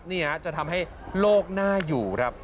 นี่ฮะจะทำให้โลกน่าอยู่ครับ